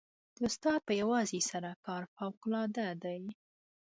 د استاد په یوازې سر کار فوقالعاده دی.